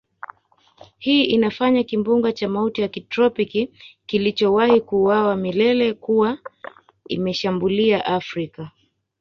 hii inafanya kimbunga cha mauti ya kitropiki kilichowahi kuuawa milele kuwa imeshambulia Afrika